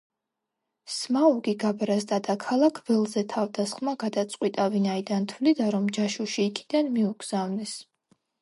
სმაუგი გაბრაზდა და ქალაქ ველზე თავდასხმა გადაწყვიტა, ვინაიდან თვლიდა, რომ ჯაშუში იქიდან მიუგზავნეს.